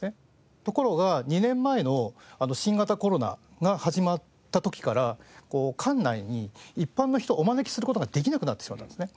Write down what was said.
ところが２年前の新型コロナが始まった時から館内に一般の人をお招きする事ができなくなってしまったんですね。